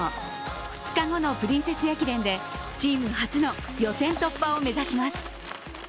２日後のプリンセス駅伝でチーム初の予選突破を目指します。